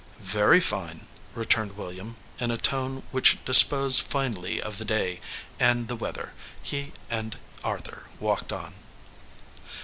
"Very fine," returned William, in a tone which disposed finally of the day and the weather. He and Arthur walked on.